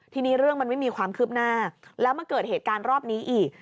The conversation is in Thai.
ทีนี้เรื่องมันไม่มีความคืบหน้าแล้วมาเกิดเหตุการณ์รอบนี้อีก